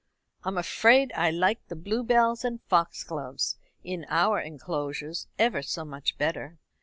I'm afraid I like the bluebells and foxgloves in our enclosures ever so much better.